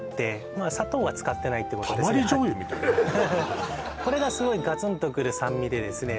まあ砂糖は使ってないってことでこれがすごいガツンとくる酸味でですね